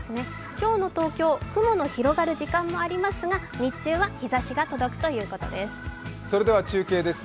今日の東京、雲の広がる時間もありますが、日中は日ざしが届くということです。